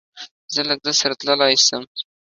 زه له ده سره تللای سم؟